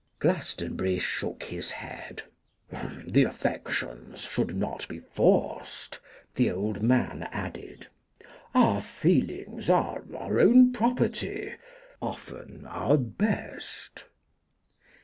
Glastonbury shook his head. 'The affections should not be forced,' the old man added; 'our feelings are our own property, often our best.